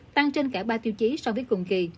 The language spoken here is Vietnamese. tăng trên cả ba tiêu chí so với cùng kỳ